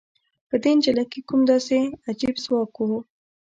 په دې نجلۍ کې کوم داسې عجيب ځواک و؟